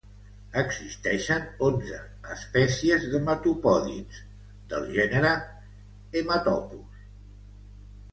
Existeixen onze espècies d'hematopòdids, del gènere Haematopus.